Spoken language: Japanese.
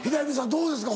どうですか？